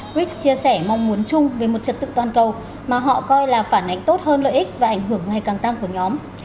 brics chia sẻ mong muốn chung về một trật tự toàn cầu mà họ coi là phản ánh tốt hơn lợi ích và ảnh hưởng ngày càng tăng của nhóm